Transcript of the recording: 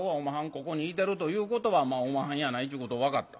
ここにいてるということはおまはんやないちゅうこと分かった。